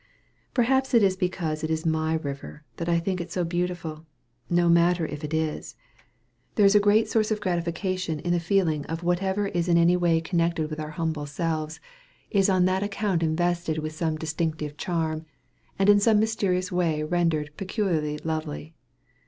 Perhaps it is because it is my river that I think it so beautiful no matter if it is; there is a great source of gratification in the feeling of whatever is in any way connected with our humble selves is on that account invested with some distinctive charm, and in some mysterious way rendered peculiarly lovely.